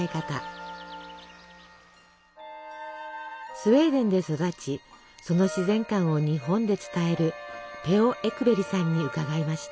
スウェーデンで育ちその自然観を日本で伝えるペオ・エクベリさんに伺いました。